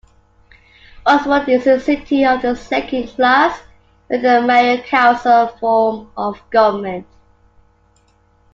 Osborne is a city of the second class with a mayor-council form of government.